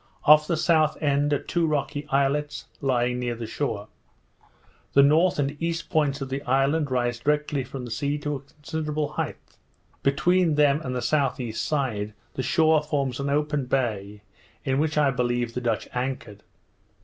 Off the south end, are two rocky islets, lying near the shore. The north and east points of the island rise directly from the sea to a considerable height; between them and the S.E. side, the shore forms an open bay, in which I believe the Dutch anchored.